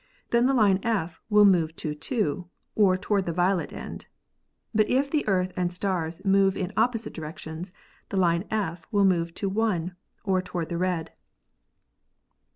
Then the line F will move to 2, or toward the violet end. But if the Earth and stars move in opposite directions, the line F will move to 1, or toward the red."